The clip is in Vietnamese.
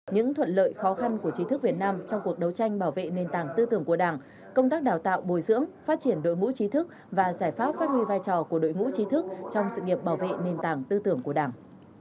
những thuận lợi khó khăn của trí thức việt nam trong cuộc đấu tranh bảo vệ nền tảng tư tưởng của đảng công tác đào tạo bồi dưỡng phát triển đội ngũ trí thức và giải pháp phát huy vai trò của đội ngũ trí thức trong sự nghiệp bảo vệ nền tảng tư tưởng của đảng